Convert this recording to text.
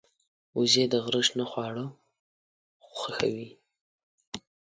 وزې د غره شنه خواړه خوښوي